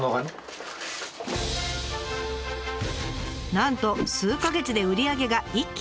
なんと数か月で売り上げが一気に回復。